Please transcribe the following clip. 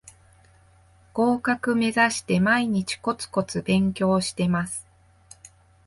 合格めざして毎日コツコツ勉強してます